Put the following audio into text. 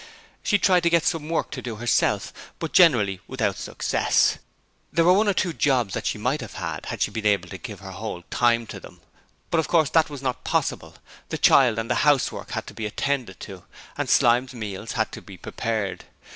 She had tried to get some work to do herself, but generally without success; there were one or two jobs that she might have had if she had been able to give her whole time to them, but of course that was not possible; the child and the housework had to be attended to, and Slyme's meals had to be prepared.